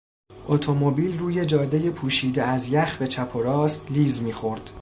اتومبیل روی جادهی پوشیده از یخ به چپ وراست لیز می خورد.